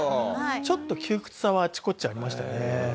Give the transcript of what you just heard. ちょっと窮屈さはあちこちありましたね。